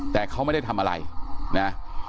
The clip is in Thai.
แต่เขาไม่ได้ทำอะไรนะ